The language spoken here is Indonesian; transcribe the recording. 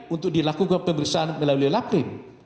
untuk dilakukan pemeriksaan melalui laprim